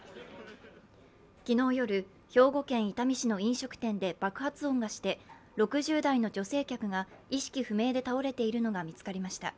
昨日夜、兵庫県伊丹市の飲食店で爆発音がして６０代の女性客が意識不明で倒れているのが見つかりました。